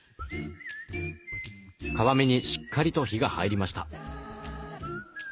皮目にしっかりと火が入りました。